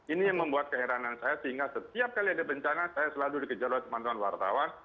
ini yang membuat keheranan saya sehingga setiap kali ada bencana saya selalu dikejar oleh teman teman wartawan